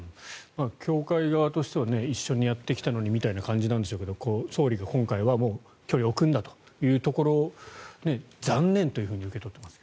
教会側としては一緒にやってきたのにみたいな感じでしょうが総理が今回は距離を置くんだというところ残念というふうに受け止めています。